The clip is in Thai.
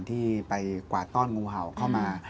ที่ไปกวาดต้อนงูเห่าเข้ามา